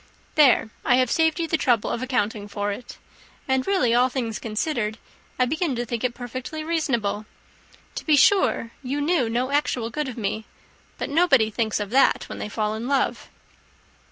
There I have saved you the trouble of accounting for it; and really, all things considered, I begin to think it perfectly reasonable. To be sure you know no actual good of me but nobody thinks of that when they fall in love."